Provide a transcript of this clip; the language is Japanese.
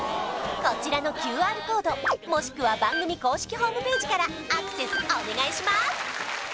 こちらのＱＲコードもしくは番組公式ホームページからアクセスお願いします